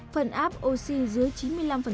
phần áp oxy dưới chín mươi năm